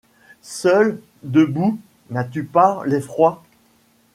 Seul, debout, n'as-tu pas l'effroi